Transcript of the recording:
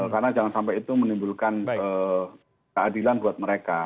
karena jangan sampai itu menimbulkan keadilan buat mereka